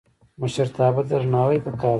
مشرتابه ته درناوی پکار دی